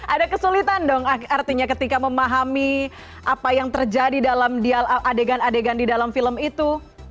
ada kesulitan dong artinya ketika memahami apa yang terjadi dalam adegan adegan di dalam film itu